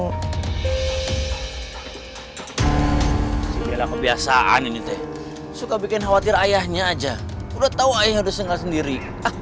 kebiasaan ini suka bikin khawatir ayahnya aja udah tahu yang harusnya sendiri